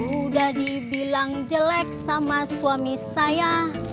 udah dibilang jelek sama suami saya